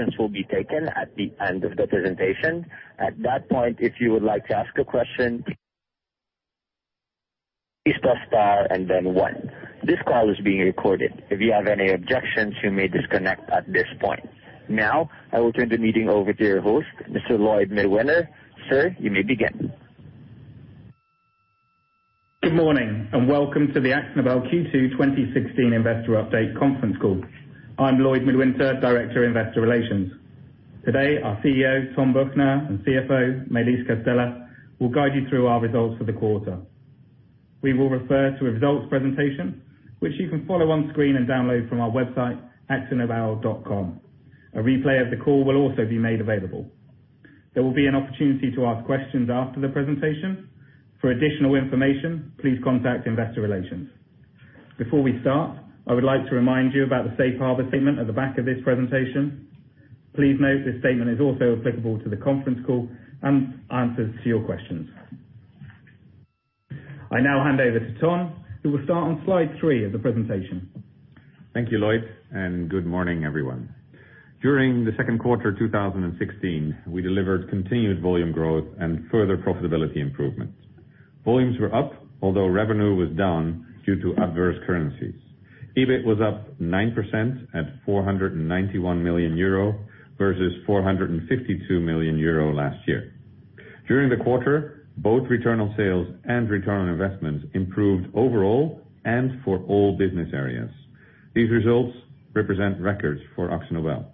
Questions will be taken at the end of the presentation. At that point, if you would like to ask a question, please press star and then one. This call is being recorded. If you have any objections, you may disconnect at this point. Now, I will turn the meeting over to your host, Mr. Lloyd Midwinter. Sir, you may begin. Good morning, and welcome to the Akzo Nobel Q2 2016 Investor Update Conference Call. I'm Lloyd Midwinter, Director of Investor Relations. Today, our CEO, Ton Büchner, and CFO, Maëlys Castella, will guide you through our results for the quarter. We will refer to a results presentation, which you can follow on screen and download from our website, akzonobel.com. A replay of the call will also be made available. There will be an opportunity to ask questions after the presentation. For additional information, please contact investor relations. Before we start, I would like to remind you about the safe harbor statement at the back of this presentation. Please note this statement is also applicable to the conference call and answers to your questions. I now hand over to Ton, who will start on slide three of the presentation. Thank you, Lloyd, and good morning, everyone. During the second quarter 2016, we delivered continued volume growth and further profitability improvements. Volumes were up, although revenue was down due to adverse currencies. EBIT was up 9% at 491 million euro versus 452 million euro last year. During the quarter, both return on sales and return on investments improved overall and for all business areas. These results represent records for Akzo Nobel.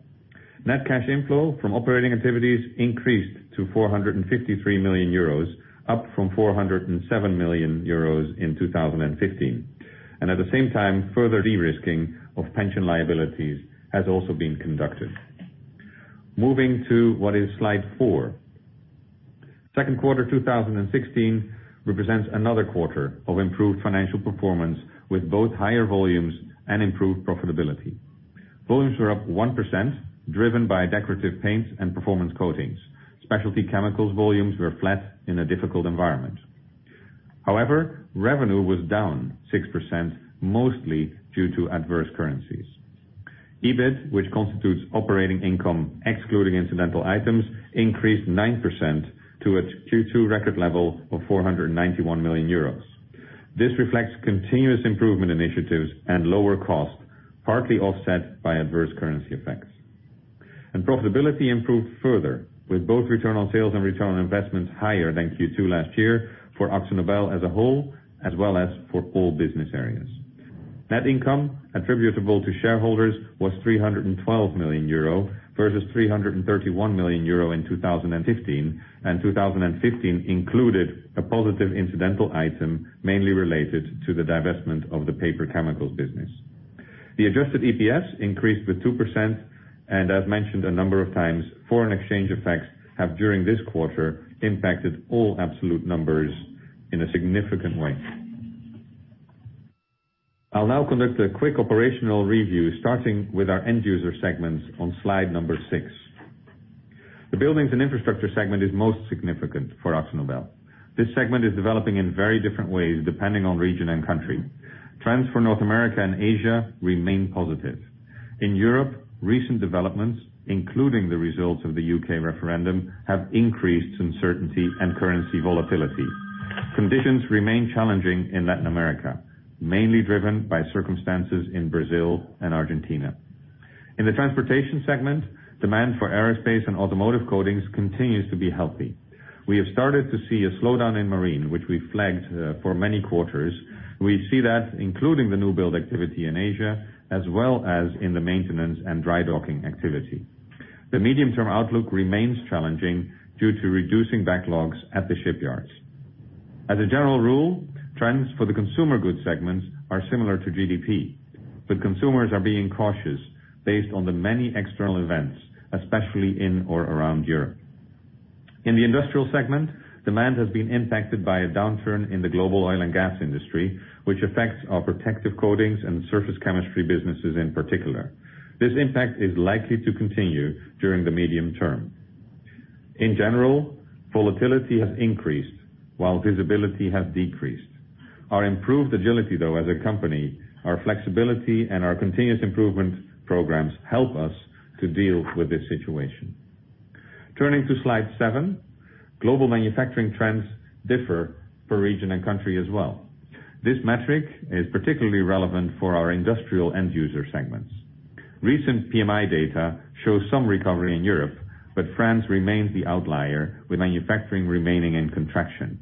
Net cash inflow from operating activities increased to 453 million euros, up from 407 million euros in 2015, and at the same time, further de-risking of pension liabilities has also been conducted. Moving to what is slide four. Second quarter 2016 represents another quarter of improved financial performance, with both higher volumes and improved profitability. Volumes were up 1%, driven by Decorative Paints and Performance Coatings. Specialty Chemicals volumes were flat in a difficult environment. However, revenue was down 6%, mostly due to adverse currencies. EBIT, which constitutes operating income excluding incidental items, increased 9% to its Q2 record level of 491 million euros. This reflects continuous improvement initiatives and lower cost, partly offset by adverse currency effects. Profitability improved further, with both return on sales and return on investments higher than Q2 last year for Akzo Nobel as a whole, as well as for all business areas. Net income attributable to shareholders was 312 million euro, versus 331 million euro in 2015, and 2015 included a positive incidental item, mainly related to the divestment of the paper chemicals business. The adjusted EPS increased by 2%. I've mentioned a number of times, foreign exchange effects have, during this quarter, impacted all absolute numbers in a significant way. I'll now conduct a quick operational review, starting with our end user segments on slide number six. The buildings and infrastructure segment is most significant for Akzo Nobel. This segment is developing in very different ways, depending on region and country. Trends for North America and Asia remain positive. In Europe, recent developments, including the results of the U.K. referendum, have increased uncertainty and currency volatility. Conditions remain challenging in Latin America, mainly driven by circumstances in Brazil and Argentina. In the transportation segment, demand for aerospace and Automotive Coatings continues to be healthy. We have started to see a slowdown in marine, which we flagged for many quarters. We see that including the new build activity in Asia, as well as in the maintenance and dry docking activity. The medium-term outlook remains challenging due to reducing backlogs at the shipyards. As a general rule, trends for the consumer goods segments are similar to GDP, but consumers are being cautious based on the many external events, especially in or around Europe. In the industrial segment, demand has been impacted by a downturn in the global oil and gas industry, which affects our Protective Coatings and Surface Chemistry businesses in particular. This impact is likely to continue during the medium term. In general, volatility has increased while visibility has decreased. Our improved agility, though, as a company, our flexibility and our continuous improvement programs help us to deal with this situation. Turning to slide seven. Global manufacturing trends differ per region and country as well. This metric is particularly relevant for our industrial end user segments. Recent PMI data shows some recovery in Europe, but France remains the outlier, with manufacturing remaining in contraction.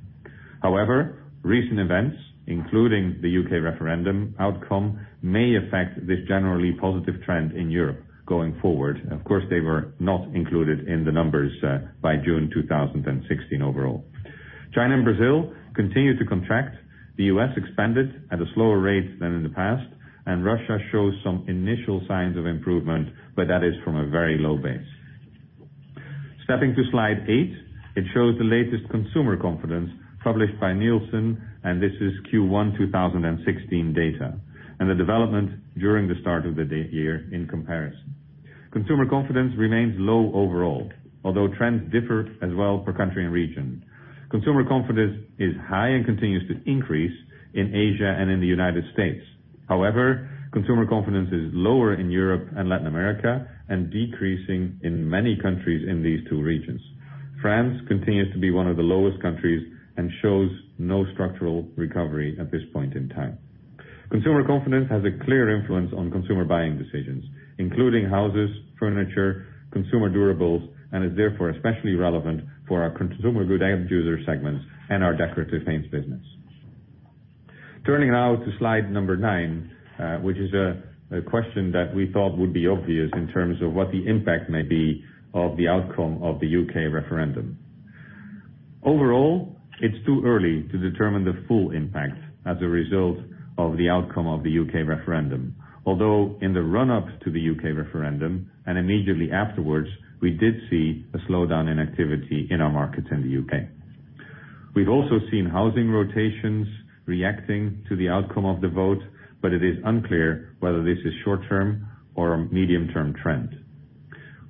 However, recent events, including the U.K. referendum outcome, may affect this generally positive trend in Europe going forward. Of course, they were not included in the numbers by June 2016 overall. China and Brazil continued to contract. The U.S. expanded at a slower rate than in the past, and Russia shows some initial signs of improvement, but that is from a very low base. Stepping to slide eight, it shows the latest consumer confidence published by Nielsen, and this is Q1 2016 data, and the development during the start of the year in comparison. Consumer confidence remains low overall, although trends differ as well per country and region. Consumer confidence is high and continues to increase in Asia and in the United States. However, consumer confidence is lower in Europe and Latin America and decreasing in many countries in these two regions. France continues to be one of the lowest countries and shows no structural recovery at this point in time. Consumer confidence has a clear influence on consumer buying decisions, including houses, furniture, consumer durables, and is therefore especially relevant for our consumer good end user segments and our Decorative Paints business. Turning now to slide number nine, which is a question that we thought would be obvious in terms of what the impact may be of the outcome of the U.K. referendum. Overall, it is too early to determine the full impact as a result of the outcome of the U.K. referendum. Although in the run-up to the U.K. referendum, and immediately afterwards, we did see a slowdown in activity in our markets in the U.K. We have also seen housing transactions reacting to the outcome of the vote, but it is unclear whether this is short-term or a medium-term trend.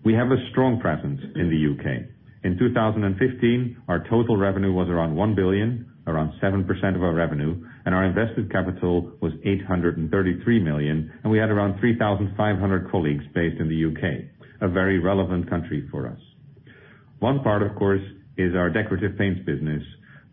We have a strong presence in the U.K. In 2015, our total revenue was around 1 billion, around 7% of our revenue, and our invested capital was 833 million, and we had around 3,500 colleagues based in the U.K., a very relevant country for us. One part, of course, is our Decorative Paints business.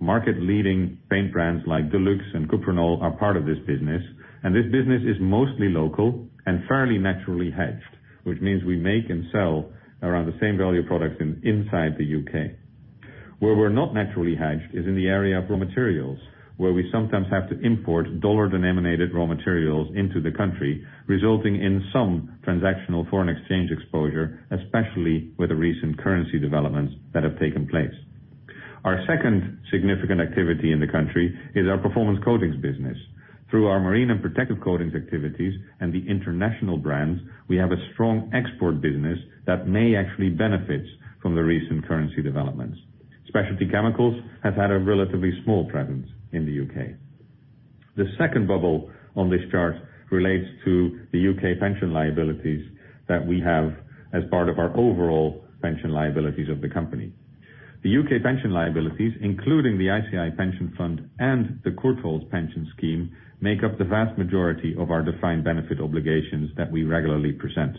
Market-leading paint brands like Dulux and Cuprinol are part of this business, and this business is mostly local and fairly naturally hedged, which means we make and sell around the same value products inside the U.K. Where we're not naturally hedged is in the area of raw materials, where we sometimes have to import dollar-denominated raw materials into the country, resulting in some transactional foreign exchange exposure, especially with the recent currency developments that have taken place. Our second significant activity in the country is our Performance Coatings business. Through our Marine and Protective Coatings activities and the International brands, we have a strong export business that may actually benefit from the recent currency developments. Specialty Chemicals have had a relatively small presence in the U.K. The second bubble on this chart relates to the U.K. pension liabilities that we have as part of our overall pension liabilities of the company. The U.K. pension liabilities, including the ICI Pension Fund and the Courtaulds pension scheme, make up the vast majority of our defined benefit obligations that we regularly present.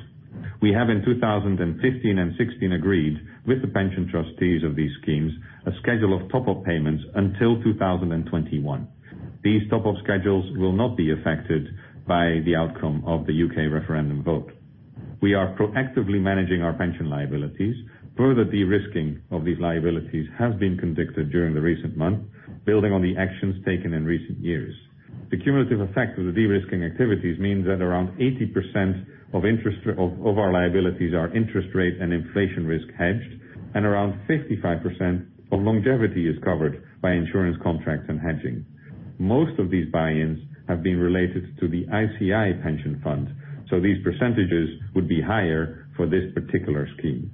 We have in 2015 and 2016 agreed with the pension trustees of these schemes a schedule of top-up payments until 2021. These top-up schedules will not be affected by the outcome of the U.K. referendum vote. We are proactively managing our pension liabilities. Further de-risking of these liabilities has been conducted during the recent month, building on the actions taken in recent years. The cumulative effect of the de-risking activities means that around 80% of our liabilities are interest rate and inflation risk hedged, and around 55% of longevity is covered by insurance contracts and hedging. Most of these buy-ins have been related to the ICI Pension Fund, so these percentages would be higher for this particular scheme.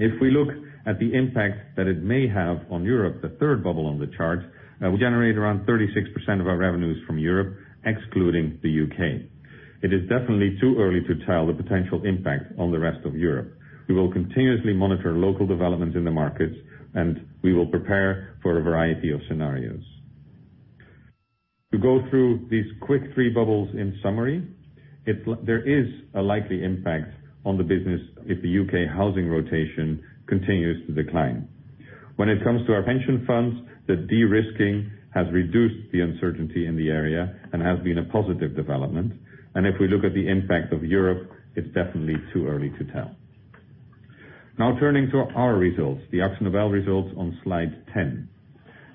If we look at the impact that it may have on Europe, the third bubble on the chart, we generate around 36% of our revenues from Europe, excluding the U.K. It is definitely too early to tell the potential impact on the rest of Europe. We will continuously monitor local developments in the markets. We will prepare for a variety of scenarios. To go through these quick three bubbles in summary, there is a likely impact on the business if the U.K. housing transactions continues to decline. When it comes to our pension funds, the de-risking has reduced the uncertainty in the area and has been a positive development. If we look at the impact of Europe, it's definitely too early to tell. Now turning to our results, the Akzo Nobel results on slide 10.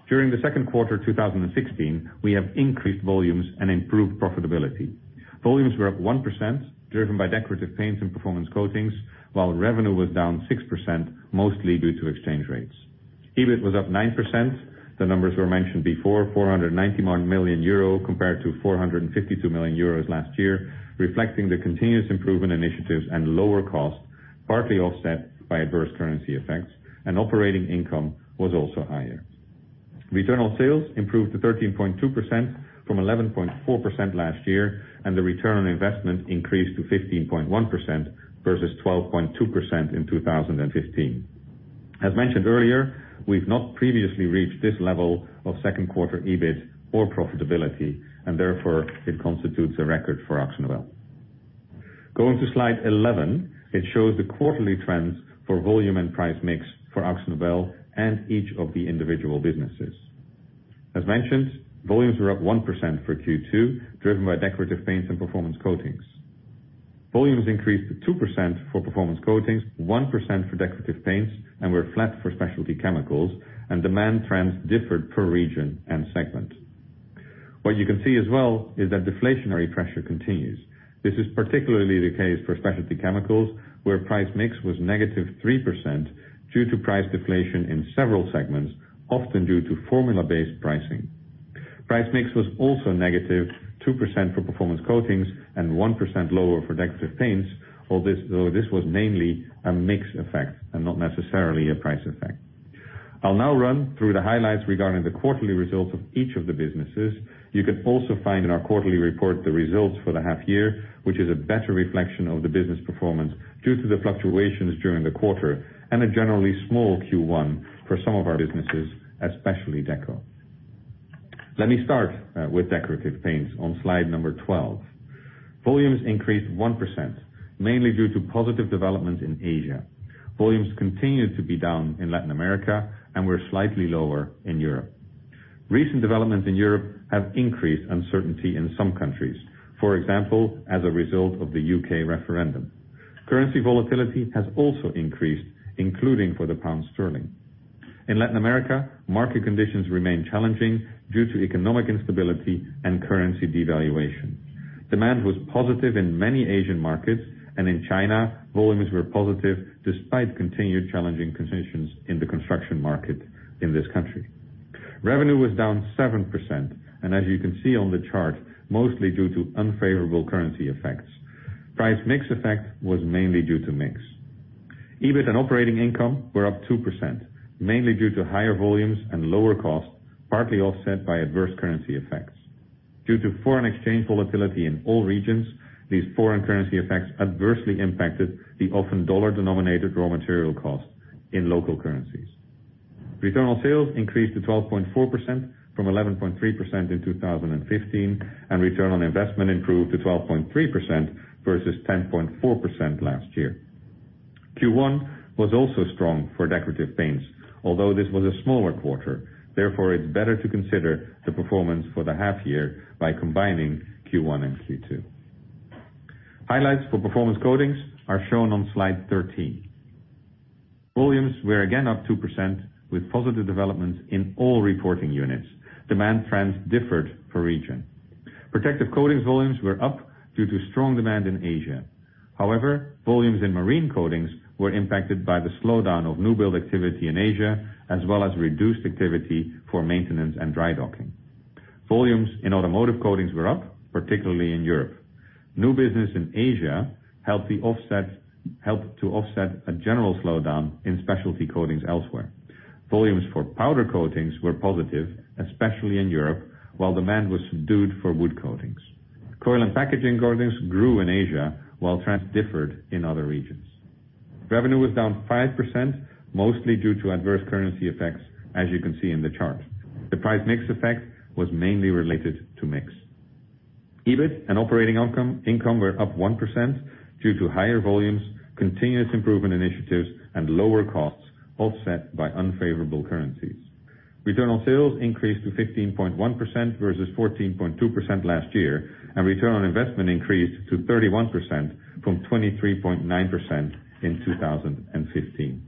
During the second quarter 2016, we have increased volumes and improved profitability. Volumes were up 1%, driven by Decorative Paints and Performance Coatings, while revenue was down 6%, mostly due to exchange rates. EBIT was up 9%. The numbers were mentioned before, €491 million compared to €452 million last year, reflecting the continuous improvement initiatives and lower cost, partly offset by adverse currency effects. Operating income was also higher. Return on sales improved to 13.2% from 11.4% last year, the return on investment increased to 15.1% versus 12.2% in 2015. As mentioned earlier, we've not previously reached this level of second quarter EBIT or profitability, therefore, it constitutes a record for Akzo Nobel. Going to slide 11, it shows the quarterly trends for volume and price mix for Akzo Nobel and each of the individual businesses. As mentioned, volumes were up 1% for Q2, driven by Decorative Paints and Performance Coatings. Volumes increased to 2% for Performance Coatings, 1% for Decorative Paints, were flat for Specialty Chemicals, demand trends differed per region and segment. What you can see as well is that deflationary pressure continues. This is particularly the case for Specialty Chemicals, where price mix was negative 3% due to price deflation in several segments, often due to formula-based pricing. Price mix was also negative 2% for Performance Coatings and 1% lower for Decorative Paints, although this was mainly a mix effect and not necessarily a price effect. I'll now run through the highlights regarding the quarterly results of each of the businesses. You can also find in our quarterly report the results for the half year, which is a better reflection of the business performance due to the fluctuations during the quarter and a generally small Q1 for some of our businesses, especially Deco. Let me start with Decorative Paints on slide number 12. Volumes increased 1%, mainly due to positive developments in Asia. Volumes continued to be down in Latin America and were slightly lower in Europe. Recent developments in Europe have increased uncertainty in some countries, for example, as a result of the U.K. referendum. Currency volatility has also increased, including for the pound sterling. In Latin America, market conditions remain challenging due to economic instability and currency devaluation. Demand was positive in many Asian markets, in China, volumes were positive despite continued challenging conditions in the construction market in this country. Revenue was down 7%, as you can see on the chart, mostly due to unfavorable currency effects. Price mix effect was mainly due to mix. EBIT and operating income were up 2%, mainly due to higher volumes and lower costs, partly offset by adverse currency effects. Due to foreign exchange volatility in all regions, these foreign currency effects adversely impacted the often dollar-denominated raw material cost in local currencies. Return on sales increased to 12.4% from 11.3% in 2015, return on investment improved to 12.3% versus 10.4% last year. Q1 was also strong for Decorative Paints, although this was a smaller quarter. Therefore, it's better to consider the performance for the half year by combining Q1 and Q2. Highlights for Performance Coatings are shown on slide 13. Volumes were again up 2% with positive developments in all reporting units. Demand trends differed per region. Protective Coatings volumes were up due to strong demand in Asia. However, volumes in Marine Coatings were impacted by the slowdown of new build activity in Asia, as well as reduced activity for maintenance and dry docking. Volumes in Automotive Coatings were up, particularly in Europe. New business in Asia helped to offset a general slowdown in Specialty Coatings elsewhere. Volumes for Powder Coatings were positive, especially in Europe, while demand was subdued for Wood Coatings. Coil and Packaging Coatings grew in Asia, while trends differed in other regions. Revenue was down 5%, mostly due to adverse currency effects, as you can see in the chart. The price mix effect was mainly related to mix. EBIT and operating income were up 1% due to higher volumes, continuous improvement initiatives, and lower costs offset by unfavorable currencies. Return on sales increased to 15.1% versus 14.2% last year, and return on investment increased to 31% from 23.9% in 2015.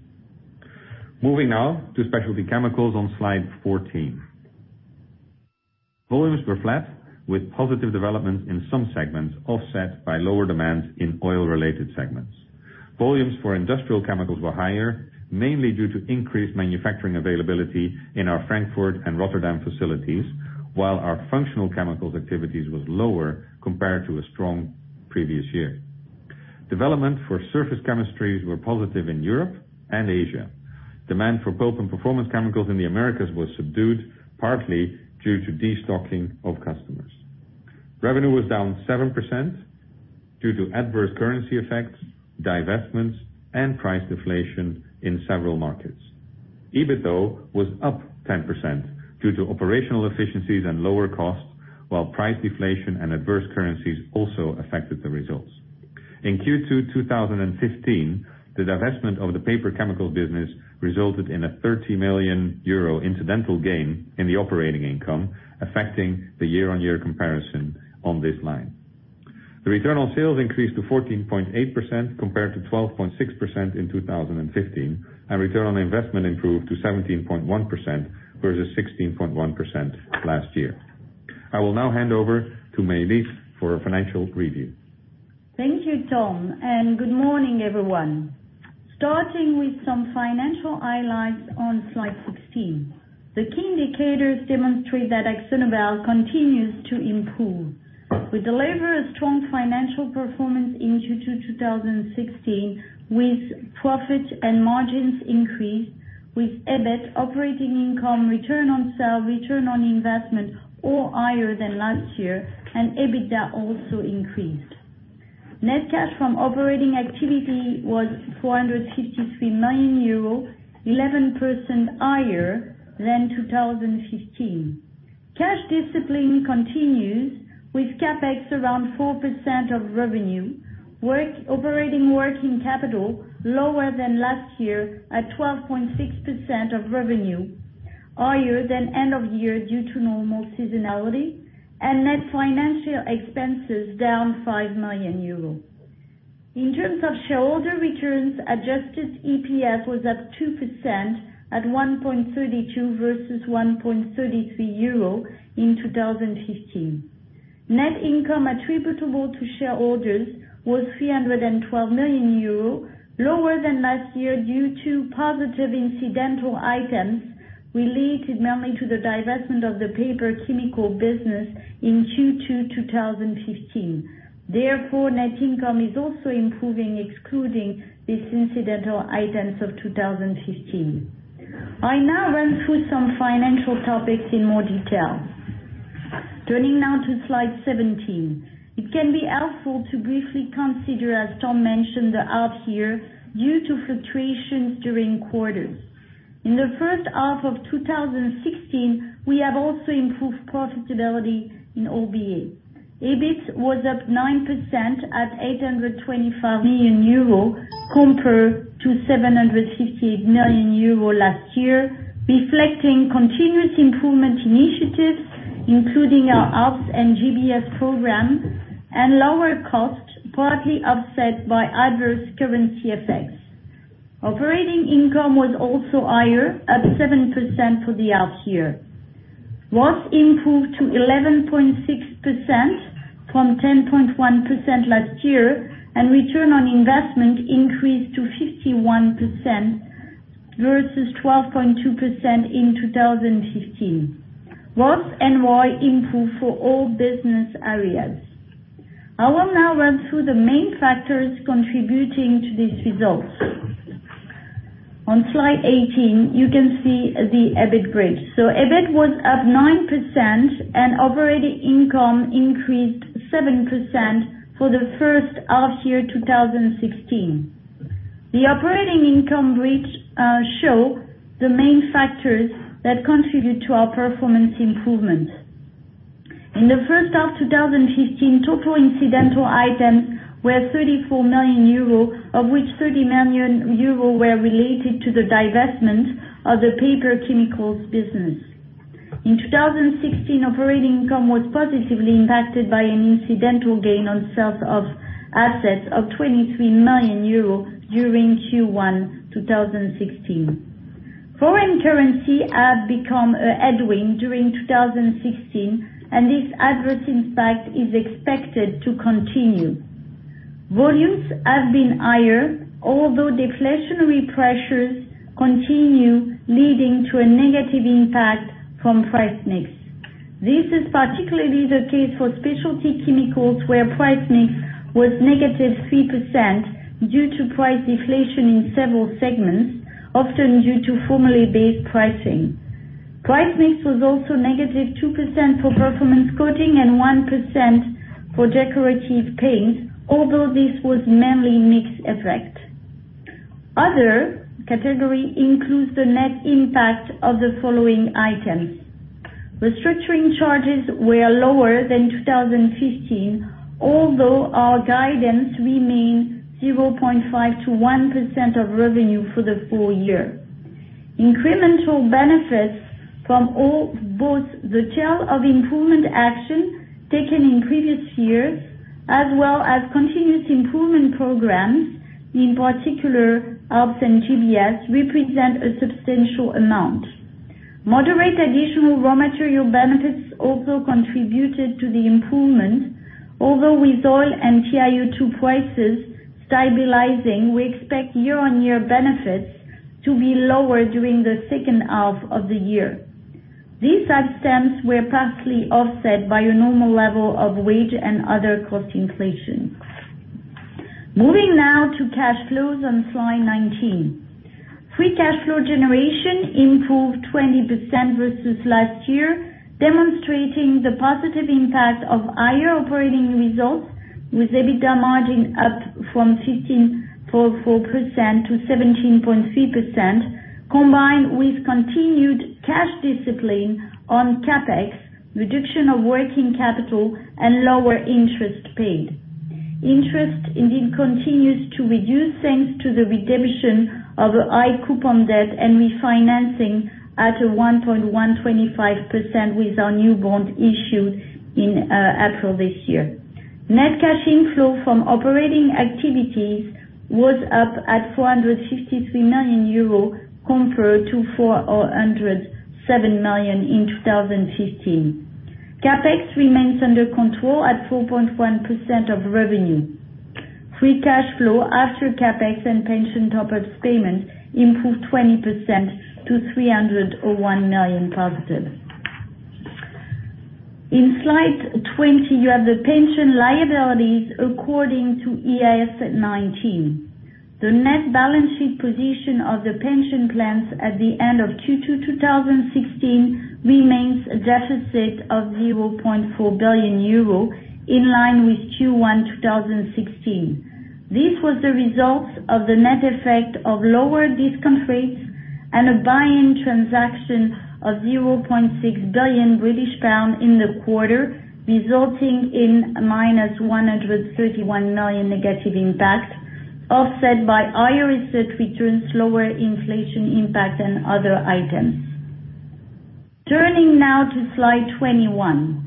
Moving now to Specialty Chemicals on slide 14. Volumes were flat with positive developments in some segments offset by lower demand in oil-related segments. Volumes for Industrial Chemicals were higher, mainly due to increased manufacturing availability in our Frankfurt and Rotterdam facilities, while our Functional Chemicals activities was lower compared to a strong previous year. Development for Surface Chemistry were positive in Europe and Asia. Demand for Pulp and Performance Chemicals in the Americas was subdued, partly due to destocking of customers. Revenue was down 7% due to adverse currency effects, divestments, and price deflation in several markets. EBIT, though, was up 10% due to operational efficiencies and lower costs, while price deflation and adverse currencies also affected the results. In Q2 2015, the divestment of the paper chemical business resulted in a 30 million euro incidental gain in the operating income, affecting the year-on-year comparison on this line. The return on sales increased to 14.8% compared to 12.6% in 2015, and return on investment improved to 17.1% versus 16.1% last year. I will now hand over to Maëlys for a financial review. Thank you, Ton, and good morning, everyone. Starting with some financial highlights on slide 16. The key indicators demonstrate that Akzo Nobel continues to improve. We deliver a strong financial performance in Q2 2016 with profits and margins increased, with EBIT, operating income, return on sales, return on investment all higher than last year, and EBITDA also increased. Net cash from operating activity was 453 million euros, 11% higher than 2015. Cash discipline continues with CapEx around 4% of revenue, operating working capital lower than last year at 12.6% of revenue, higher than end of year due to normal seasonality, and net financial expenses down 5 million euros. In terms of shareholder returns, adjusted EPS was up 2% at 1.32 versus 1.30 euro in 2015. Net income attributable to shareholders was 312 million euro, lower than last year due to positive incidental items related mainly to the divestment of the paper chemical business in Q2 2015. Therefore, net income is also improving, excluding these incidental items of 2015. I now run through some financial topics in more detail. Turning now to slide 17. It can be helpful to briefly consider, as Ton mentioned, the half-year due to fluctuations during quarters. In the first half of 2016, we have also improved profitability in all BAs. EBIT was up 9% at 825 million euro compared to 758 million euro last year, reflecting continuous improvement initiatives, including our OPS and GBS program and lower costs, partly offset by adverse currency effects. Operating income was also higher, up 7% for the half-year. ROAS improved to 11.6% from 10.1% last year, and return on investment increased to 51% versus 12.2% in 2015. ROAS and ROI improved for all business areas. I will now run through the main factors contributing to these results. On slide 18, you can see the EBIT bridge. EBIT was up 9% and operating income increased 7% for the first half 2016. The operating income bridge show the main factors that contribute to our performance improvement. In the first half 2015, total incidental items were 34 million euro, of which 30 million euro were related to the divestment of the paper chemicals business. In 2016, operating income was positively impacted by an incidental gain on sale of assets of 23 million euro during Q1 2016. Foreign currency have become a headwind during 2016, and this adverse impact is expected to continue. Volumes have been higher, although deflationary pressures continue, leading to a negative impact from price mix. This is particularly the case for Specialty Chemicals, where price mix was negative 3% due to price deflation in several segments, often due to formula-based pricing. Price mix was also negative 2% for Performance Coatings and 1% for Decorative Paints, although this was mainly mix effect. Other category includes the net impact of the following items. Restructuring charges were lower than 2015, although our guidance remains 0.5%-1% of revenue for the full year. Incremental benefits from both the tail of improvement action taken in previous years, as well as continuous improvement programs, in particular OPS and GBS, represent a substantial amount. Moderate additional raw material benefits also contributed to the improvement, although with oil and TiO2 prices stabilizing, we expect year-on-year benefits to be lower during the second half of the year. These items were partially offset by a normal level of wage and other cost inflation. Moving now to cash flows on slide 19. Free cash flow generation improved 20% versus last year, demonstrating the positive impact of higher operating results, with EBITDA margin up from 15.4%-17.3%, combined with continued cash discipline on CapEx, reduction of working capital, and lower interest paid. Interest indeed continues to reduce, thanks to the redemption of high coupon debt and refinancing at a 1.125% with our new bond issued in April this year. Net cash inflow from operating activities was up at 453 million euro, compared to 407 million in 2015. CapEx remains under control at 4.1% of revenue. Free cash flow after CapEx and pension top-ups payment improved 20% to 301 million positive. In slide 20, you have the pension liabilities according to IAS 19. The net balance sheet position of the pension plans at the end of Q2 2016 remains a deficit of 0.4 billion euro, in line with Q1 2016. This was the result of the net effect of lower discount rates and a buy-in transaction of 0.6 billion British pound in the quarter, resulting in 131 million negative impact, offset by higher asset returns, lower inflation impact, and other items. Turning now to slide 21.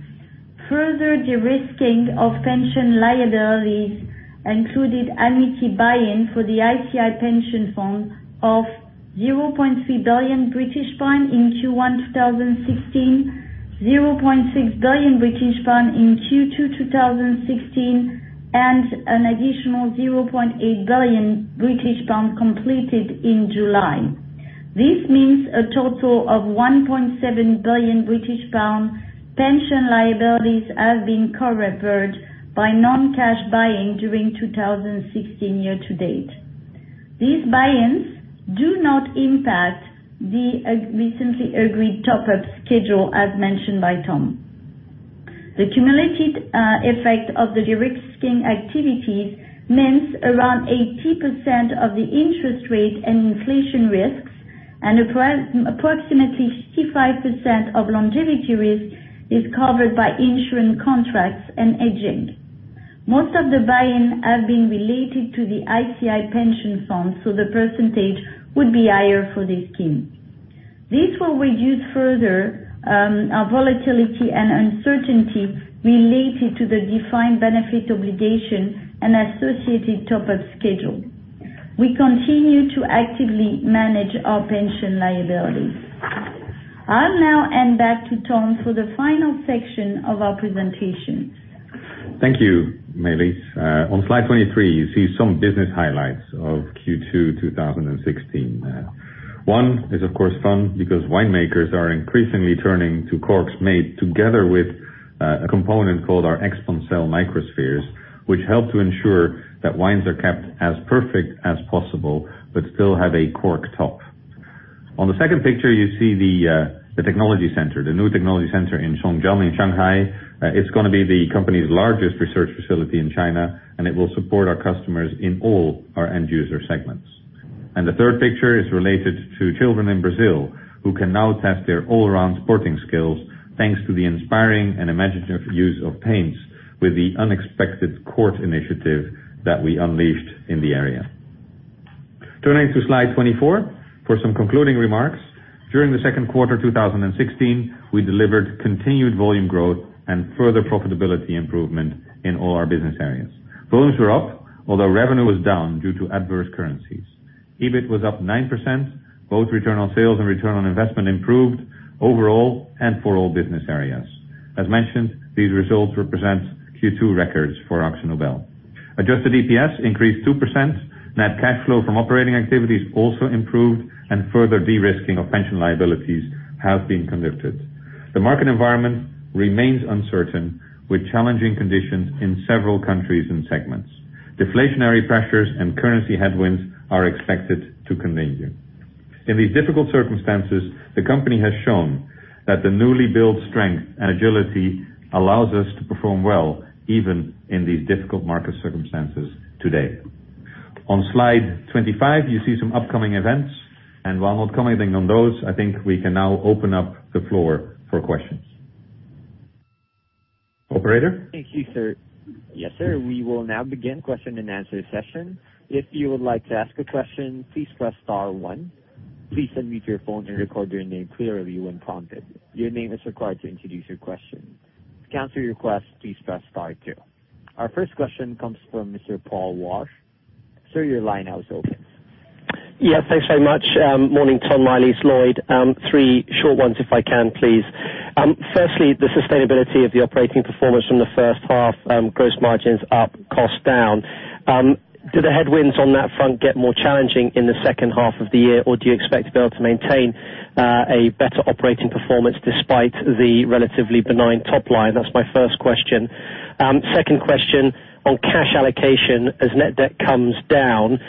Further de-risking of pension liabilities included annuity buy-in for the ICI Pension Fund of 0.3 billion British pound in Q1 2016, 0.6 billion British pound in Q2 2016, and an additional 0.8 billion British pound completed in July. This means a total of 1.7 billion British pound pension liabilities have been covered by non-cash buy-in during 2016 year-to-date. These buy-ins do not impact the recently agreed top-up schedule as mentioned by Ton. The cumulative effect of the de-risking activities means around 80% of the interest rate and inflation risks and approximately 65% of longevity risk is covered by insurance contracts and hedging. Most of the buy-in have been related to the ICI Pension Fund, so the percentage would be higher for this scheme. This will reduce further our volatility and uncertainty related to the defined benefit obligation and associated top-up schedule. We continue to actively manage our pension liability. I will now hand back to Ton for the final section of our presentation. Thank you, Maëlys. On slide 23, you see some business highlights of Q2 2016. One is, of course, fun because winemakers are increasingly turning to corks made together with a component called our Expancel microspheres, which help to ensure that wines are kept as perfect as possible, but still have a cork top. On the second picture, you see the technology center, the new technology center in Songjiang, in Shanghai. It is going to be the company's largest research facility in China, and it will support our customers in all our end user segments. The third picture is related to children in Brazil who can now test their all-around sporting skills, thanks to the inspiring and imaginative use of paints with the unexpected court initiative that we unleashed in the area. Turning to slide 24 for some concluding remarks. During the second quarter 2016, we delivered continued volume growth and further profitability improvement in all our business areas. Volumes were up, although revenue was down due to adverse currencies. EBIT was up 9%. Both return on sales and return on investment improved overall and for all business areas. As mentioned, these results represent Q2 records for Akzo Nobel. Adjusted EPS increased 2%. Net cash flow from operating activities also improved and further de-risking of pension liabilities has been conducted. The market environment remains uncertain, with challenging conditions in several countries and segments. Deflationary pressures and currency headwinds are expected to continue. In these difficult circumstances, the company has shown that the newly built strength and agility allows us to perform well even in these difficult market circumstances today. On slide 25, you see some upcoming events and while not commenting on those, I think we can now open up the floor for questions. Operator? Thank you, sir. Yes, sir, we will now begin question and answer session. If you would like to ask a question, please press star one. Please unmute your phone and record your name clearly when prompted. Your name is required to introduce your question. To cancel your request, please press star two. Our first question comes from Mr. Paul Walsh. Sir, your line now is open. Yes, thanks very much. Morning, Ton, Maëlys, Lloyd. three short ones if I can, please. Firstly, the sustainability of the operating performance from the first half, gross margins up, cost down. Do the headwinds on that front get more challenging in the second half of the year, or do you expect to be able to maintain a better operating performance despite the relatively benign top line? That's my first question. Second question on cash allocation. As net debt comes down,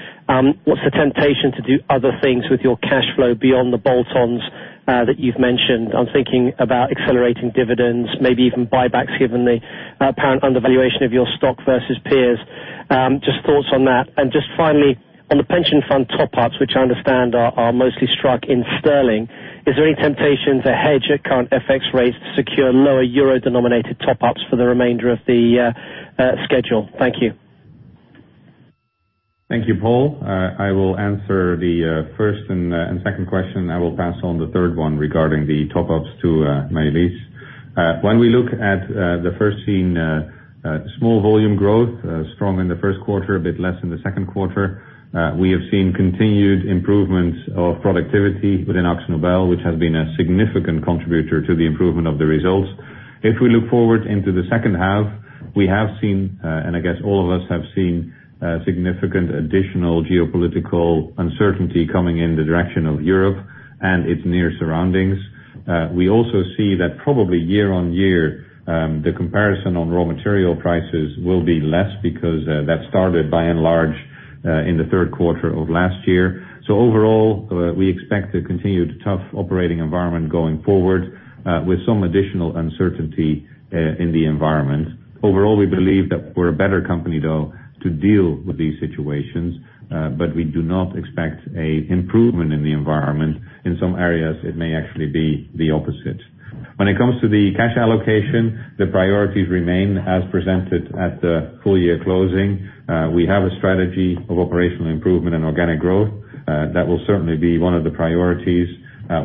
what's the temptation to do other things with your cash flow beyond the bolt-ons that you've mentioned? I'm thinking about accelerating dividends, maybe even buybacks, given the apparent undervaluation of your stock versus peers. Just thoughts on that. Just finally, on the pension fund top-ups, which I understand are mostly struck in sterling, is there any temptation to hedge your current FX rates to secure lower EUR-denominated top-ups for the remainder of the schedule? Thank you. Thank you, Paul. I will answer the first and second question. I will pass on the third one regarding the top-ups to Maëlys. When we look at the first half, small volume growth, strong in the first quarter, a bit less in the second quarter. We have seen continued improvements of productivity within AkzoNobel, which has been a significant contributor to the improvement of the results. If we look forward into the second half, we have seen, and I guess all of us have seen, significant additional geopolitical uncertainty coming in the direction of Europe and its near surroundings. We also see that probably year-on-year, the comparison on raw material prices will be less because that started by and large, in the third quarter of last year. Overall, we expect a continued tough operating environment going forward, with some additional uncertainty in the environment. Overall, we believe that we're a better company though to deal with these situations, but we do not expect an improvement in the environment. In some areas, it may actually be the opposite. When it comes to the cash allocation, the priorities remain as presented at the full year closing. We have a strategy of operational improvement and organic growth. That will certainly be one of the priorities.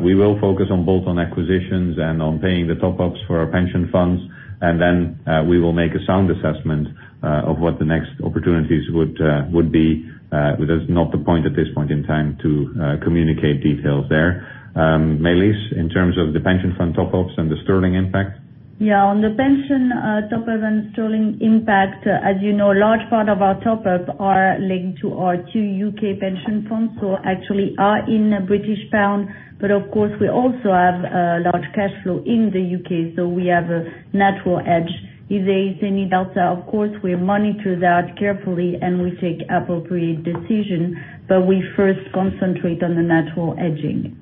We will focus on both on acquisitions and on paying the top-ups for our pension funds. Then we will make a sound assessment of what the next opportunities would be, but that's not the point at this point in time to communicate details there. Maëlys, in terms of the pension fund top-ups and the sterling impact? Yeah. On the pension, top up and sterling impact, as you know, a large part of our top up are linked to our two U.K. pension funds, so actually are in GBP. Of course, we also have a large cash flow in the U.K., so we have a natural hedge. If there is any delta, of course, we monitor that carefully, and we take appropriate decision, but we first concentrate on the natural hedging.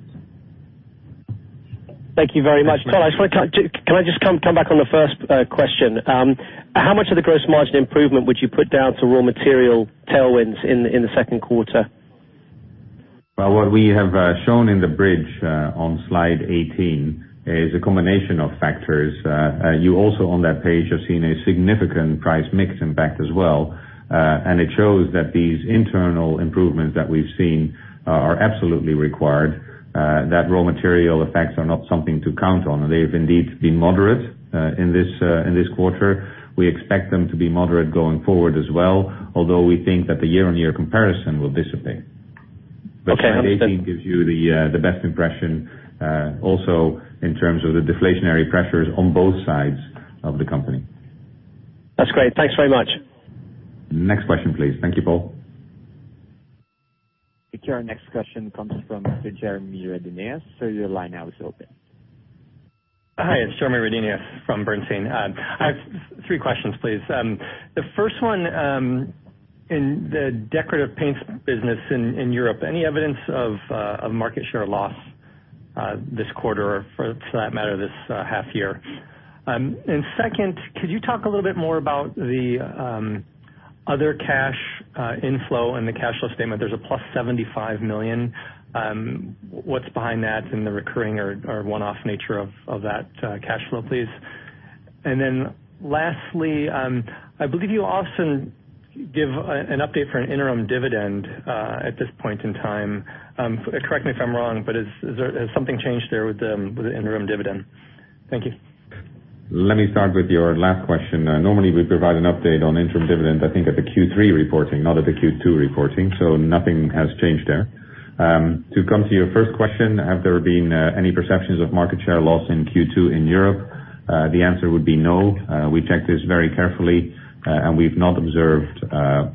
Thank you very much. Can I just come back on the first question? How much of the gross margin improvement would you put down to raw material tailwinds in the second quarter? Well, what we have shown in the bridge on slide 18 is a combination of factors. You also, on that page, have seen a significant price mix impact as well. It shows that these internal improvements that we've seen are absolutely required, that raw material effects are not something to count on, and they've indeed been moderate in this quarter. We expect them to be moderate going forward as well, although we think that the year-on-year comparison will dissipate. Okay. slide 18 gives you the best impression, also in terms of the deflationary pressures on both sides of the company. That's great. Thanks very much. Next question, please. Thank you, Paul. Our next question comes from Jeremy Redenius. Sir, your line now is open. Hi, it's Jeremy Redenius from Bernstein. I have three questions, please. The first one, in the Decorative Paints business in Europe, any evidence of market share loss this quarter or for that matter, this half year? Second, could you talk a little bit more about the other cash inflow in the cash flow statement? There's a +75 million. What's behind that and the recurring or one-off nature of that cash flow, please? Lastly, I believe you often give an update for an interim dividend at this point in time. Correct me if I'm wrong, has something changed there with the interim dividend? Thank you. Let me start with your last question. Normally, we provide an update on interim dividend, I think at the Q3 reporting, not at the Q2 reporting. Nothing has changed there. To come to your first question, have there been any perceptions of market share loss in Q2 in Europe? The answer would be no. We checked this very carefully, we've not observed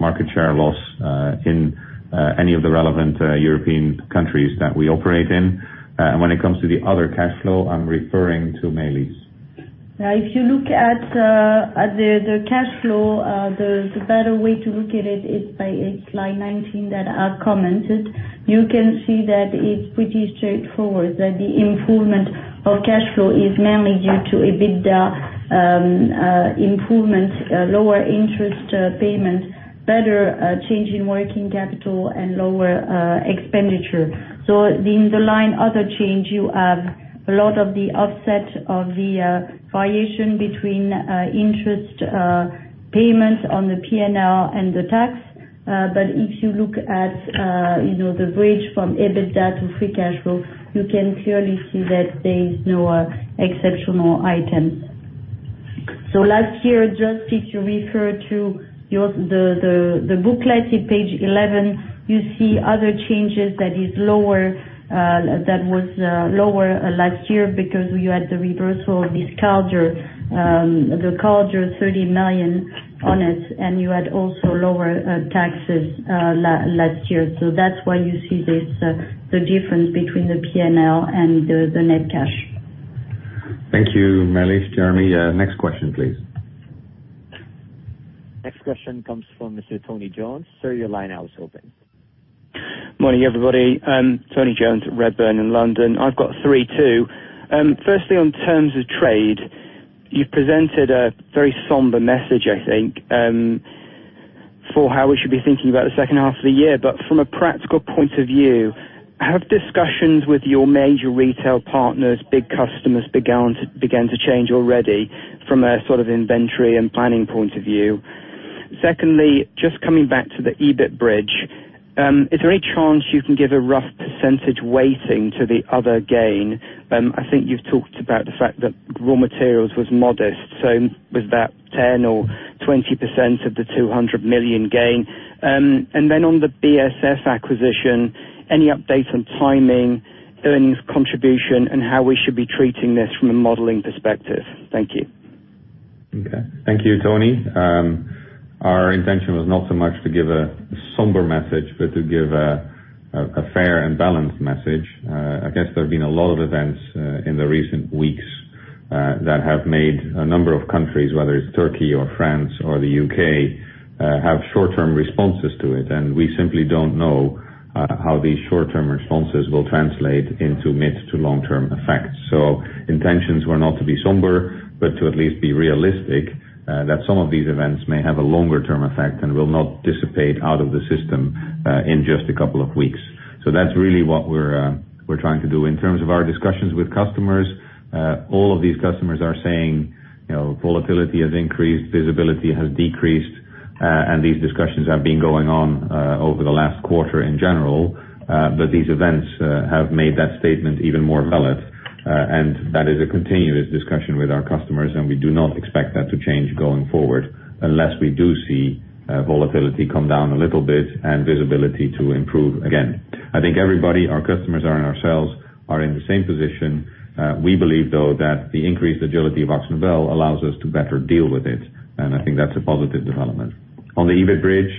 market share loss in any of the relevant European countries that we operate in. When it comes to the other cash flow, I'm referring to Maëlys. If you look at the cash flow, the better way to look at it is by slide 19 that I commented. You can see that it's pretty straightforward, that the improvement of cash flow is mainly due to EBITDA improvement, lower interest payment, better change in working capital, and lower expenditure. In the line other change, you have a lot of the offset of the variation between interest payments on the P&L and the tax. If you look at the bridge from EBITDA to free cash flow, you can clearly see that there is no exceptional item. Last year, just if you refer to the booklet at page 11, you see other changes that was lower last year because you had the reversal of the charge, the charge 30 million on it, you had also lower taxes last year. That's why you see the difference between the P&L and the net cash. Thank you, Maëlys, Jeremy. Next question, please. Next question comes from Mr. Tony Jones. Sir, your line now is open. Morning, everybody. Tony Jones at Redburn in London. I've got three too. Firstly, on terms of trade, you've presented a very somber message, I think, for how we should be thinking about the second half of the year. From a practical point of view, have discussions with your major retail partners, big customers began to change already from a sort of inventory and planning point of view. Secondly, just coming back to the EBIT bridge. Is there any chance you can give a rough percentage weighting to the other gain? I think you've talked about the fact that raw materials was modest, was that 10% or 20% of the 200 million gain? And then on the BASF acquisition, any update on timing, earnings contribution, and how we should be treating this from a modeling perspective? Thank you. Okay. Thank you, Tony. Our intention was not so much to give a somber message, but to give a fair and balanced message. I guess there have been a lot of events in the recent weeks that have made a number of countries, whether it's Turkey or France or the U.K., have short-term responses to it, and we simply don't know how these short-term responses will translate into mid to long-term effects. Intentions were not to be somber, but to at least be realistic, that some of these events may have a longer term effect and will not dissipate out of the system in just a couple of weeks. That's really what we're trying to do. In terms of our discussions with customers, all of these customers are saying, volatility has increased, visibility has decreased, and these discussions have been going on over the last quarter in general. These events have made that statement even more valid. That is a continuous discussion with our customers. We do not expect that to change going forward unless we do see volatility come down a little bit and visibility to improve again. I think everybody, our customers and ourselves are in the same position. We believe, though, that the increased agility of Akzo Nobel allows us to better deal with it. I think that's a positive development. On the EBIT bridge,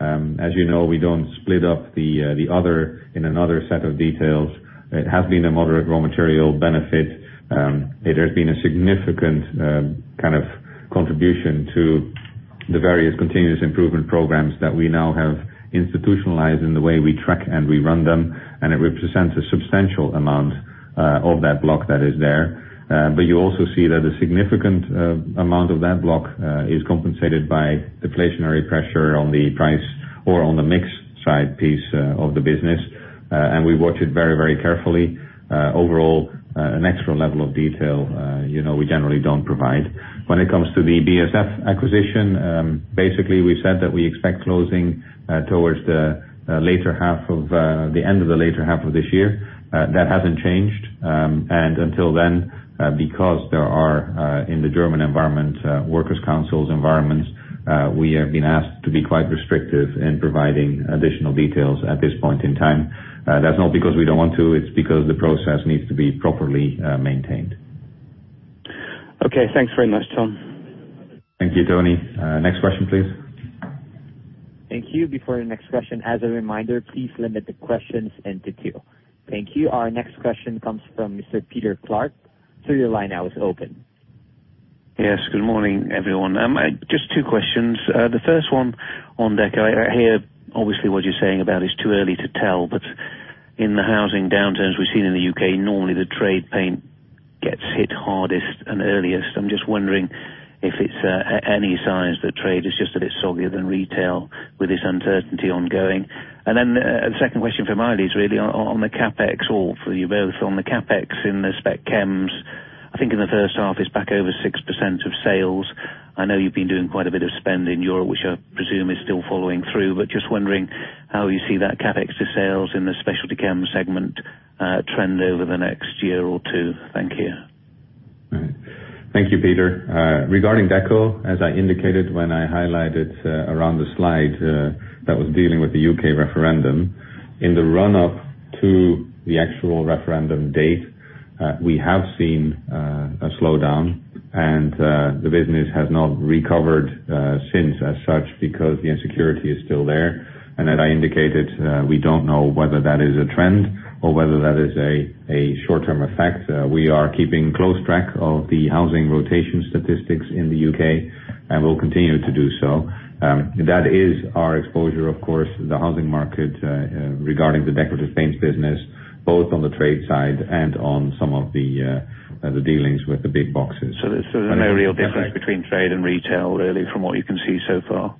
as you know, we don't split up the other in another set of details. It has been a moderate raw material benefit. It has been a significant kind of contribution to the various continuous improvement programs that we now have institutionalized in the way we track and we run them, and it represents a substantial amount of that block that is there. You also see that a significant amount of that block is compensated by deflationary pressure on the price or on the mix side piece of the business. We watch it very carefully. Overall, an extra level of detail we generally don't provide. When it comes to the BASF acquisition, basically, we said that we expect closing towards the end of the later half of this year. That hasn't changed. Until then, because there are, in the German environment, workers councils environments, we have been asked to be quite restrictive in providing additional details at this point in time. That's not because we don't want to, it's because the process needs to be properly maintained. Okay, thanks very much, Ton. Thank you, Tony. Next question, please. Thank you. Before the next question, as a reminder, please limit the questions and to queue. Thank you. Our next question comes from Mr. Peter Clark. Sir, your line now is open. Yes. Good morning, everyone. Just two questions. The first one on Deco. I hear, obviously, what you are saying about it is too early to tell, but in the housing downturns we have seen in the U.K., normally the trade paint gets hit hardest and earliest. I am just wondering if it is any signs that trade is just a bit soggier than retail with this uncertainty ongoing. The second question for Maëlys is really on the CapEx, or for you both, on the CapEx in the Spec Chems. I think in the first half it is back over 6% of sales. I know you have been doing quite a bit of spend in Europe, which I presume is still following through, but just wondering how you see that CapEx to sales in the Specialty Chem segment trend over the next year or two. Thank you. Thank you, Peter. Regarding Deco, as I indicated when I highlighted around the slide that was dealing with the U.K. referendum, in the run-up to the actual referendum date, we have seen a slowdown, and the business has not recovered since as such because the insecurity is still there. As I indicated, we don't know whether that is a trend or whether that is a short-term effect. We are keeping close track of the housing transaction statistics in the U.K., and we will continue to do so. That is our exposure, of course, the housing market regarding the Decorative Paints business, both on the trade side and on some of the dealings with the big boxes. There is no real difference between trade and retail, really, from what you can see so far?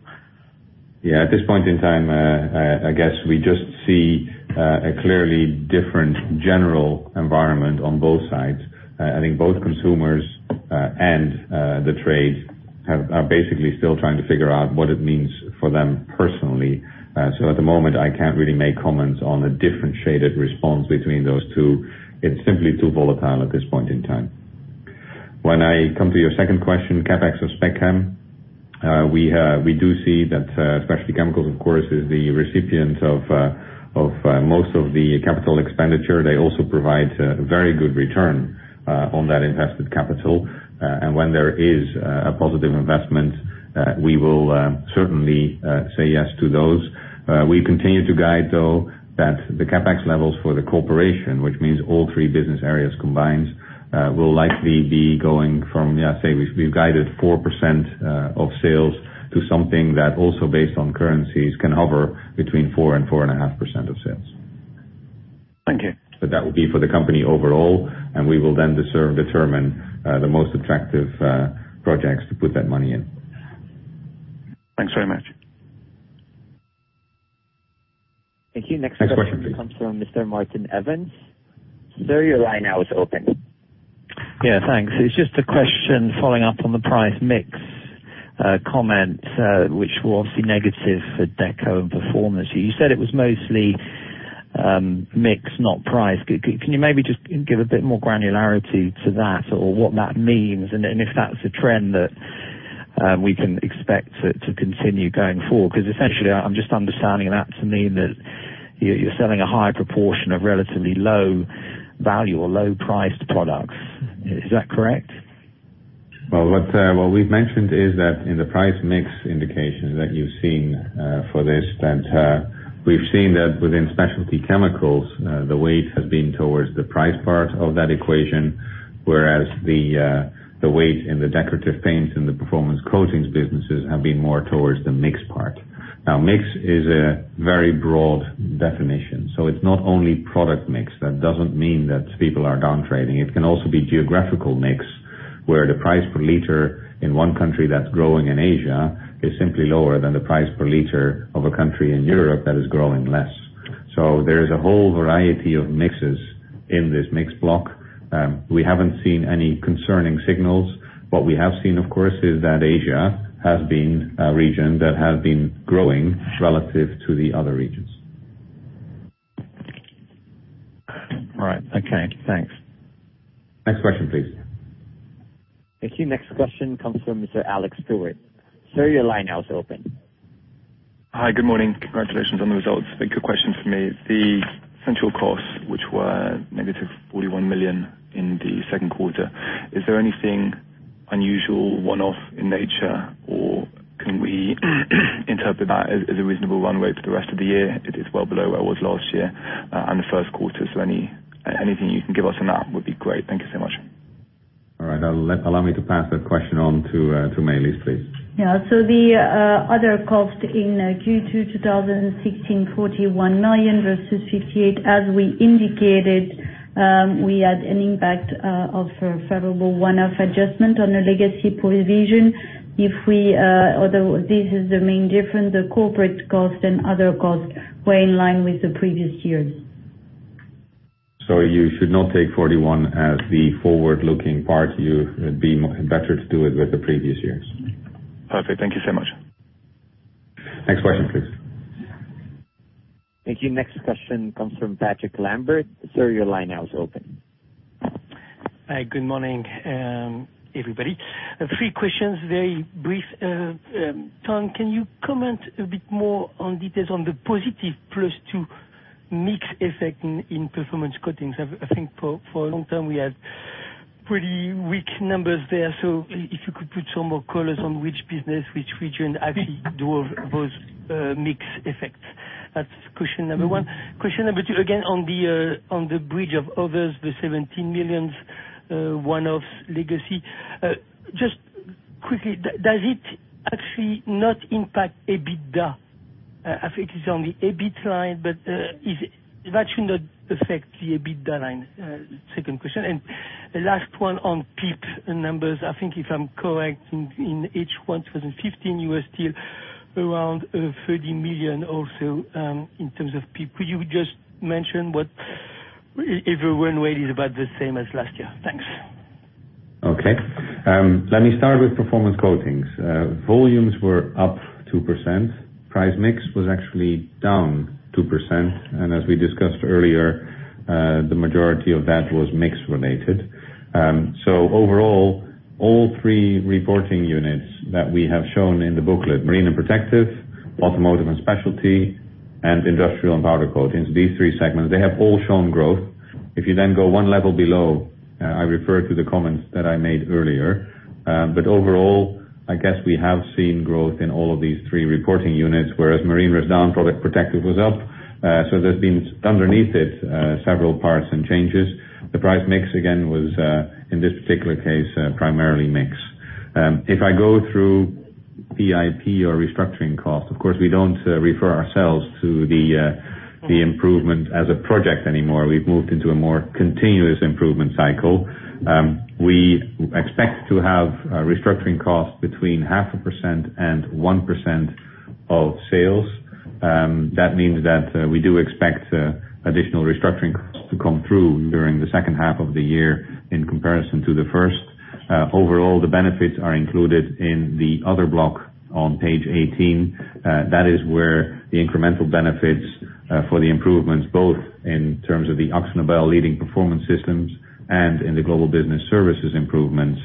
Yeah. At this point in time, I guess we just see a clearly different general environment on both sides. I think both consumers and the trade are basically still trying to figure out what it means for them personally. At the moment, I can't really make comments on a different shaded response between those two. It's simply too volatile at this point in time. When I come to your second question, CapEx of Specialty Chemicals, we do see that Specialty Chemicals, of course, is the recipient of most of the capital expenditure. They also provide a very good return on that invested capital, and when there is a positive investment, we will certainly say yes to those. We continue to guide, though, that the CapEx levels for the corporation, which means all three business areas combined, will likely be going from, say, we've guided 4% of sales to something that also based on currencies, can hover between 4% and 4.5% of sales. Thank you. That will be for the company overall, and we will then determine the most attractive projects to put that money in. Thanks very much. Thank you. Next question comes from Mr. Martin Evans. Sir, your line now is open. Yeah. Thanks. It's just a question following up on the price mix comment, which was obviously negative for Deco and Performance. You said it was mostly mix, not price. If that's a trend that we can expect to continue going forward? Essentially, I'm just understanding that to mean that you're selling a higher proportion of relatively low value or low priced products. Is that correct? Well, what we've mentioned is that in the price mix indication that you've seen for this, that we've seen that within Specialty Chemicals, the weight has been towards the price part of that equation, whereas the weight in the Decorative Paints and the Performance Coatings businesses have been more towards the mix part. Now, mix is a very broad definition, it's not only product mix. That doesn't mean that people are downtrading. It can also be geographical mix, where the price per liter in one country that's growing in Asia is simply lower than the price per liter of a country in Europe that is growing less. There is a whole variety of mixes in this mix block. We haven't seen any concerning signals. What we have seen, of course, is that Asia has been a region that has been growing relative to the other regions. Right. Okay, thanks. Next question, please. Thank you. Next question comes from Mr. Alex Stewart. Sir, your line now is open. Hi. Good morning. Congratulations on the results. Quick question from me. The central costs, which were negative 41 million in the second quarter, is there anything unusual, one-off in nature, or can we interpret that as a reasonable runway for the rest of the year? It is well below where it was last year and the first quarter. Anything you can give us on that would be great. Thank you so much. All right. Allow me to pass that question on to Maëlys, please. Yeah. The other cost in Q2 2016, 41 million versus 58 million, as we indicated, we had an impact of a favorable one-off adjustment on a legacy provision. Although this is the main difference, the corporate cost and other costs were in line with the previous years. You should not take 41 as the forward-looking part. You would be better to do it with the previous years. Perfect. Thank you so much. Next question, please. Thank you. Next question comes from Patrick Lambert. Sir, your line now is open. Hi. Good morning, everybody. Three questions, very brief. Ton, can you comment a bit more on details on the positive +2 mix effect in Performance Coatings? I think for a long time we had pretty weak numbers there. If you could put some more colors on which business, which region actually drove those mix effects. That's question number one. Question number two, again, on the bridge of others, the 17 million one-offs legacy. Just quickly, does it actually not impact EBITDA? I think it's on the EBIT side, but that should not affect the EBITDA line. Second question, and last one on PIP numbers. I think if I'm correct, in H1 2015, you were still around 30 million or so in terms of PIP. Could you just mention if the run rate is about the same as last year? Thanks. Okay. Let me start with Performance Coatings. Volumes were up 2%. Price mix was actually down 2%, and as we discussed earlier, the majority of that was mix related. Overall, all three reporting units that we have shown in the booklet, Marine and Protective, Automotive and Specialty, and Industrial and Powder Coatings, these three segments, they have all shown growth. If you then go 1 level below, I refer to the comments that I made earlier. Overall, I guess we have seen growth in all of these three reporting units, whereas Marine was down, Protective Coatings was up. There's been, underneath it, several parts and changes. The price mix, again, was, in this particular case, primarily mix. If I go through PIP or restructuring costs, of course, we don't refer ourselves to the improvement as a project anymore. We've moved into a more continuous improvement cycle. We expect to have restructuring costs between 0.5% and 1% of sales. That means that we do expect additional restructuring costs to come through during the second half of the year in comparison to the first. Overall, the benefits are included in the other block on page 18. That is where the incremental benefits for the improvements, both in terms of the AkzoNobel Leading Performance System and in the Global Business Services improvements,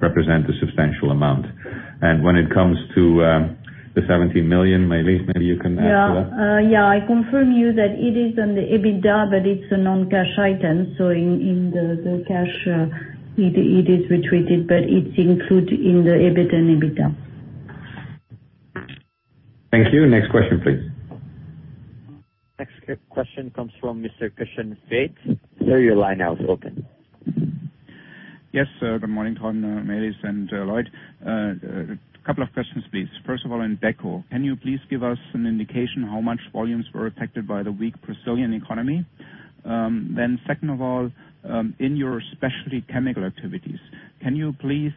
represent a substantial amount. When it comes to the 17 million, Maëlys, maybe you can add to that. Yeah. I confirm you that it is on the EBITDA, but it's a non-cash item, so in the cash, it is retreated, but it's included in the EBIT and EBITDA. Thank you. Next question, please. Next question comes from Mr. Christian Faitz. Sir, your line now is open. Yes. Good morning, Ton, Maëlys, and Lloyd. A couple of questions, please. First of all, in Deco, can you please give us an indication how much volumes were affected by the weak Brazilian economy? Second of all, in your Specialty Chemicals activities, can you please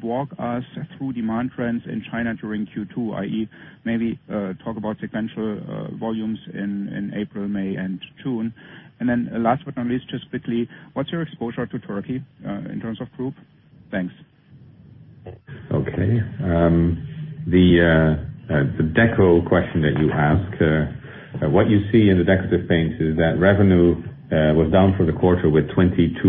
walk us through demand trends in China during Q2, i.e., maybe talk about sequential volumes in April, May, and June? Last but not least, just quickly, what's your exposure to Turkey in terms of group? Thanks. Okay. The Deco question that you ask, what you see in the Decorative Paints is that revenue was down for the quarter with 22%.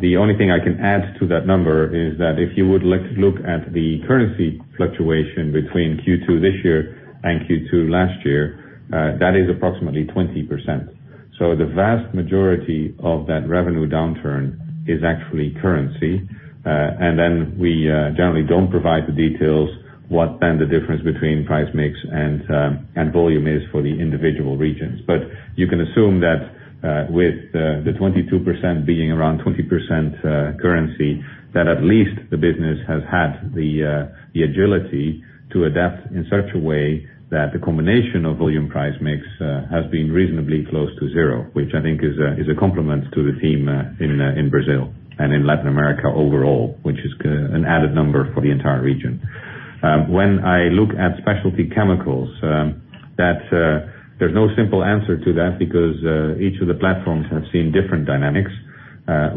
The only thing I can add to that number is that if you would look at the currency fluctuation between Q2 this year and Q2 last year, that is approximately 20%. The vast majority of that revenue downturn is actually currency. We generally don't provide the details what then the difference between price mix and volume is for the individual regions. You can assume that with the 22% being around 20% currency, that at least the business has had the agility to adapt in such a way that the combination of volume price mix has been reasonably close to zero, which I think is a compliment to the team in Brazil and in Latin America overall, which is an added number for the entire region. When I look at Specialty Chemicals, there's no simple answer to that because each of the platforms have seen different dynamics.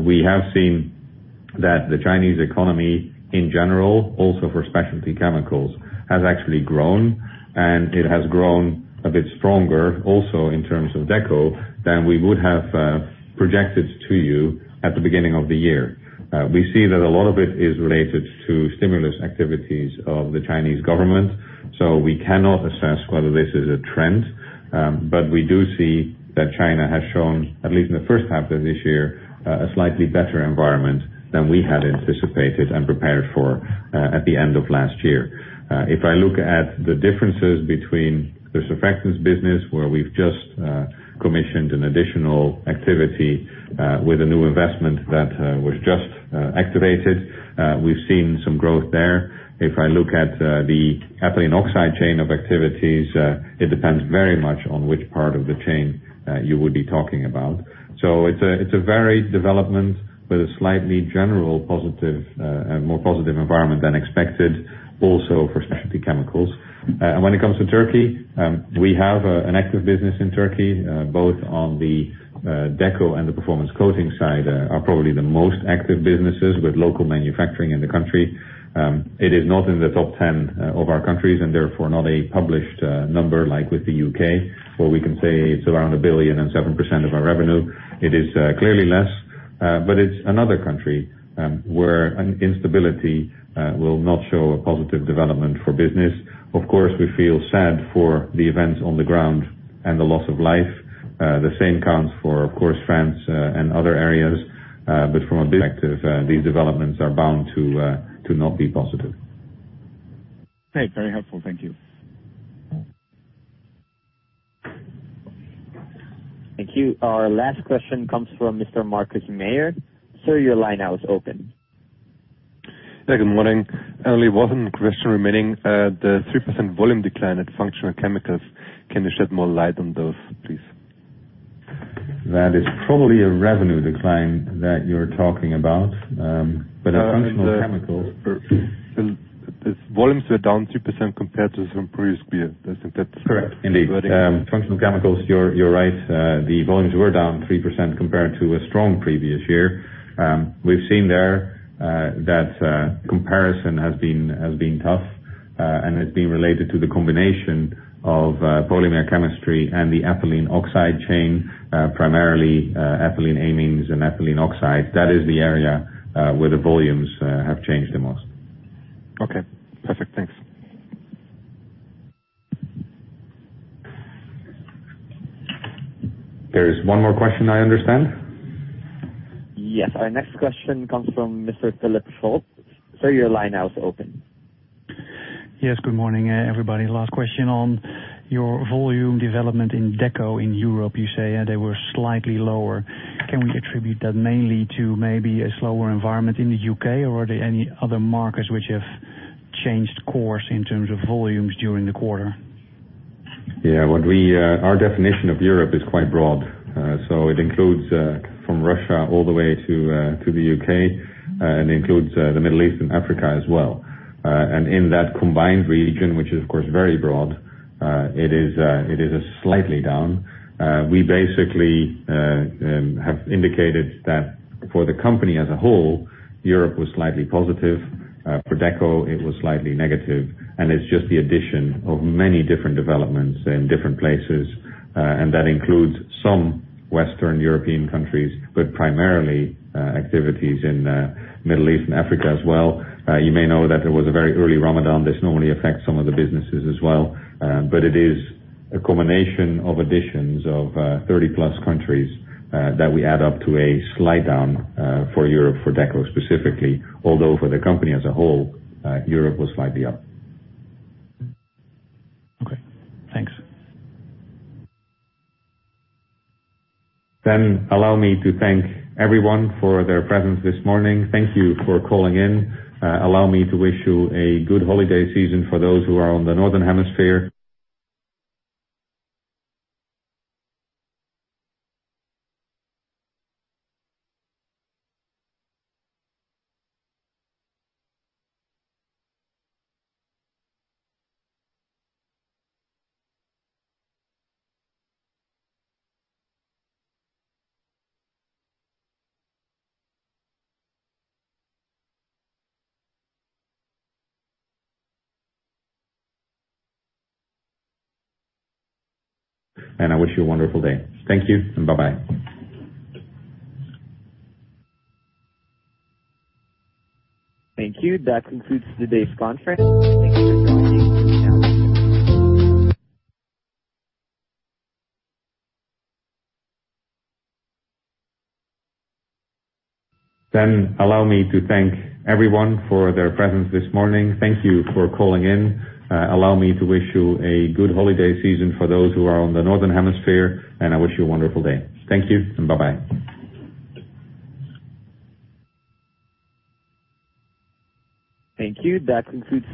We have seen that the Chinese economy in general, also for Specialty Chemicals, has actually grown, and it has grown a bit stronger also in terms of Deco than we would have projected to you at the beginning of the year. We see that a lot of it is related to stimulus activities of the Chinese government. We cannot assess whether this is a trend, but we do see that China has shown, at least in the first half of this year, a slightly better environment than we had anticipated and prepared for at the end of last year. If I look at the differences between the surfactants business, where we've just commissioned an additional activity with a new investment that was just activated, we've seen some growth there. If I look at the ethylene oxide chain of activities, it depends very much on which part of the chain you would be talking about. It's a varied development with a slightly general more positive environment than expected, also for Specialty Chemicals. When it comes to Turkey, we have an active business in Turkey, both on the Deco and the Performance Coatings side are probably the most active businesses with local manufacturing in the country. It is not in the top 10 of our countries, therefore, not a published number like with the U.K., where we can say it's around 1 billion and 7% of our revenue. It is clearly less, but it's another country where instability will not show a positive development for business. Of course, we feel sad for the events on the ground and the loss of life. The same counts for, of course, France and other areas. From objective, these developments are bound to not be positive. Great. Very helpful. Thank you. Thank you. Our last question comes from Mr. Markus Mayer. Sir, your line now is open. Good morning. Only one question remaining. The 3% volume decline at Functional Chemicals. Can you shed more light on those, please? That is probably a revenue decline that you're talking about. At Functional Chemicals. The volumes were down 3% compared to some previous period. Isn't that correct? Correct. Indeed. Functional Chemicals, you're right. The volumes were down 3% compared to a strong previous year. We've seen there that comparison has been tough, and has been related to the combination of polymer chemistry and the ethylene oxide chain, primarily ethylene amines and ethylene oxide. That is the area where the volumes have changed the most. Okay. Perfect. Thanks. There is one more question, I understand. Yes. Our next question comes from Mr. Philip Scholz. Sir, your line now is open. Yes. Good morning, everybody. Last question on your volume development in Deco in Europe. You say they were slightly lower. Can we attribute that mainly to maybe a slower environment in the U.K., or are there any other markets which have changed course in terms of volumes during the quarter? Yeah. Our definition of Europe is quite broad. It includes from Russia all the way to the U.K., and includes the Middle East and Africa as well. In that combined region, which is of course very broad, it is slightly down. We basically have indicated that for the company as a whole, Europe was slightly positive. For Deco, it was slightly negative. It's just the addition of many different developments in different places, and that includes some Western European countries, but primarily activities in Middle East and Africa as well. You may know that there was a very early Ramadan. This normally affects some of the businesses as well. It is a combination of additions of 30-plus countries that we add up to a slight down for Europe, for Deco specifically. Although for the company as a whole, Europe was slightly up. and I wish you a wonderful day. Thank you, and bye-bye. Thank you. That concludes.